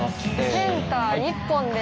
センター１本です。